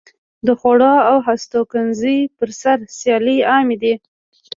د خوړو او هستوګنځي پر سر سیالۍ عامې دي.